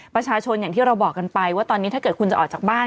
ประชาชนอย่างที่เราบอกกันไปว่าตอนนี้ถ้าเกิดคุณจะออกจากบ้าน